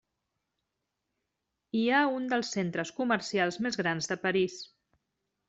Hi ha un dels centres comercials més grans de París.